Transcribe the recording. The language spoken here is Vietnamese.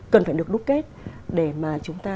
cần phải được đúc kết để mà chúng ta